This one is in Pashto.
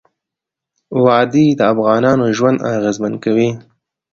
وادي د افغانانو ژوند اغېزمن کوي.